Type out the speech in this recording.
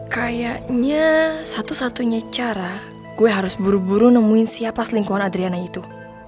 kayaknya satu satunya cara gue harus buru buru nemuin siapa selingkuhan adriana itu